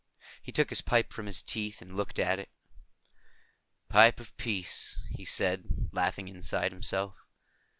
He took his pipe from his teeth and looked at it. "Pipe of peace," he said, laughing inside himself.